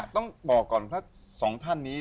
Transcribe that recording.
ต้องบอกก่อนนะครับสองท่านนี้